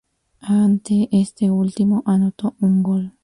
Ante este último anotó un gol.